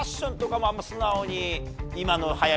素直に。